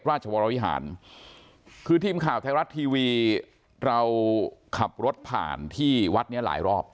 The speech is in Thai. วรวิหารคือทีมข่าวไทยรัฐทีวีเราขับรถผ่านที่วัดนี้หลายรอบ